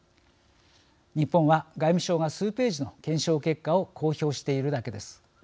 日本は外務省が数ページの検証結果を公表しているだけです。